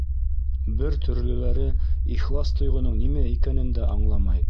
Бер төрлөләре ихлас тойғоноң нимә икәнен дә аңламай.